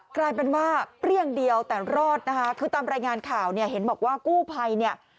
กลายเป็นว่าเปรี้ยงเดียวแต่รอดนะคะคือตามรายงานข่าวเนี่ยเห็นบอกว่ากู้ภัยเนี่ย